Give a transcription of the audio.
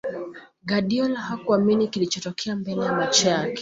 guardiola hakuamini kilichotokea mbele macho yake